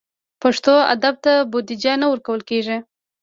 پښتو ادب ته بودیجه نه ورکول کېږي.